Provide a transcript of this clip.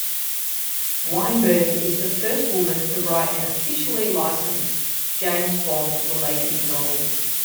Weinberg is the first woman to write an officially licensed James Bond-related novel.